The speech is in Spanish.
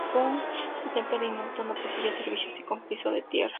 El templo diminuto no poseía servicios y con piso de tierra.